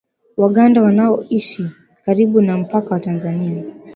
Waganda wanaoishi karibu na mpaka wa Tanzania